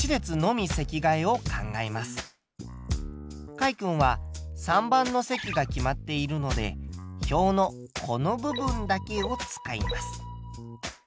かいくんは３番の席が決まっているので表のこの部分だけを使います。